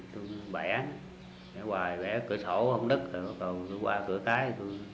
tôi bẻ bẻ hoài bẻ cửa sổ không đứt rồi tôi qua cửa tái